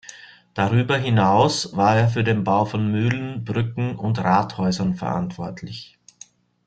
Darüber hinaus war er für den Bau von Mühlen, Brücken und Rathäusern verantwortlich.